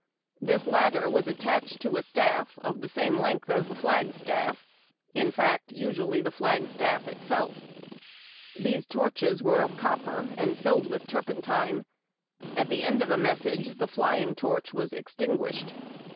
"' This latter was attached to a staff of the same length as the flagstaff, in fact, usually the flag staff itself. Tliese torches were of copper, and filled with turpentine. At the end of a message the flying torch was extinguished.